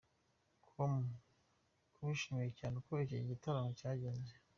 com ko bishimiye cyane uko iki giratamo cyagenze.